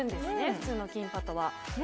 普通のキンパとは。